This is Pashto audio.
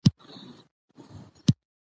د ګران هيواد دي ابادي لپاره بايد سره يو شو